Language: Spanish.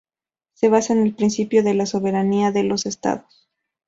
Se basa en el principio de soberanía de los estados.